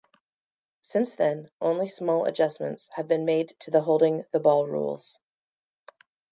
Since then, only small adjustments have been made to the holding the ball rules.